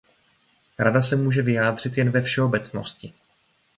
Rada se může vyjádřit jen ve všeobecnosti.